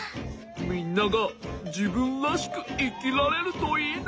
みんながじぶんらしくいきられるといいね。